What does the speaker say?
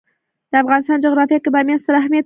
د افغانستان جغرافیه کې بامیان ستر اهمیت لري.